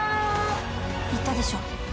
「言ったでしょ。